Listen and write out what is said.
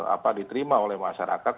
apa diterima oleh masyarakat